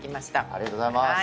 ありがとうございます。